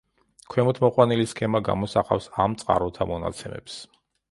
ქვემოთ მოყვანილი სქემა გამოსახავს ამ წყაროთა მონაცემებს.